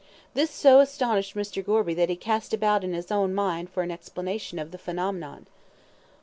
This so astonished Mr. Gorby that he cast about in his own mind for an explanation of the phenomenon.